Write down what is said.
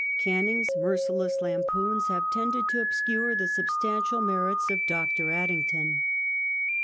Canning's merciless lampoons have tended to obscure the substantial merits of " Dr." Addington.